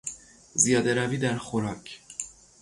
زیاده روی در خوراک